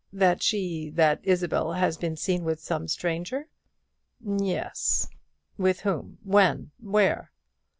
That she that Isabel has been seen with some stranger?" "Yes." "With whom? when? where?"